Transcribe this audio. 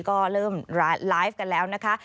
ก็เริ่มไลฟ์กันแล้วนะคะ